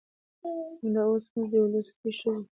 همدا اوس موږ د يوې لوستې ښځې